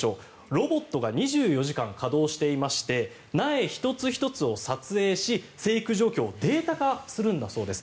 ロボットが２４時間稼働していまして苗１つ１つを撮影し生育状況をデータ化するんだそうです。